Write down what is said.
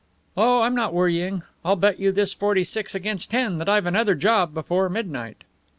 "Oh, I'm not worrying! I'll bet you this forty six against ten that I've another job before midnight."